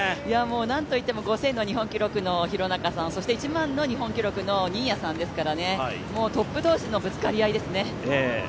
なんといっても５０００の日本記録の廣中さん、１００００ｍの日本記録の新谷さん、トップ同士のぶつかり合いですね。